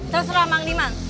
terserah mang diman